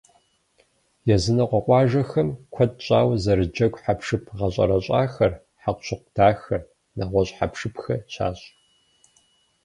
Языныкъуэ къуажэхэм куэд щӏауэ зэрыджэгу хьэпшып гъэщӏэрэщӏахэр, хьэкъущыкъу дахэ, нэгъуэщӏ хьэпшыпхэр щащӏ.